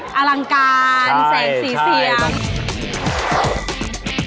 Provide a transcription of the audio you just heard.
อลังการแสงสีเสียง